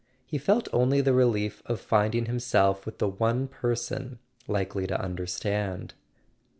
He felt only the relief of find¬ ing himself with the one person likely to understand.